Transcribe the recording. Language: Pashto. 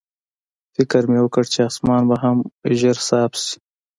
فکر مې وکړ چې اسمان به هم ډېر ژر صاف شي.